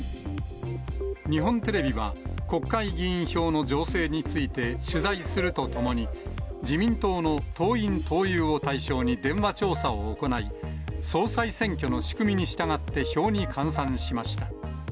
日本テレビは、国会議員票の情勢について取材するとともに、自民党の党員・党友を対象に電話調査を行い、総裁選挙の仕組みに従って票に換算しました。